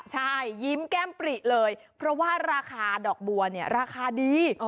ใช่ยิ้มแก้มปริเลยเพราะว่าราคาดอกบัวเนี่ยราคาดี